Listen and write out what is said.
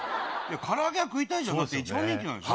から揚げが食いたいじゃん、だって、一番人気なんでしょ。